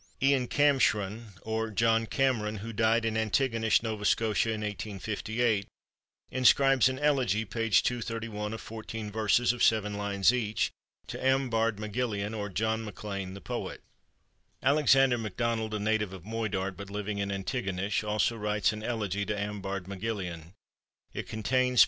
Iain Camshron, or John Cameron, who died in Antigonish, Nova Scotia, in l| scribes an elegy (p. 231) of fourteen verses of seven lines each, to Am Bard MacGilleain. or John MacLean, the poet. APPENDIX. Alexander MacDonald, a native of Moidart, but living in Antigonish, also writes an elegy to Am Bard MacGilleain. It contains (p.